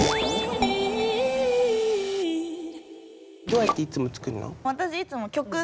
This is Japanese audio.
どうやっていつも作るの？